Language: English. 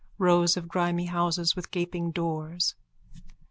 Rows of grimy houses with gaping doors.